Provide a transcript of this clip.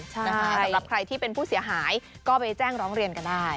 สำหรับใครที่เป็นผู้เสียหายก็ไปแจ้งร้องเรียนกันได้